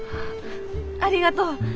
ありがとう。